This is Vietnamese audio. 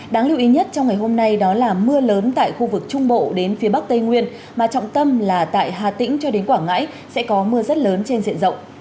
đáng lưu ý nhất trong ngày hôm nay đó là mưa lớn tại khu vực trung bộ đến phía bắc tây nguyên mà trọng tâm là tại hà tĩnh cho đến quảng ngãi sẽ có mưa rất lớn trên diện rộng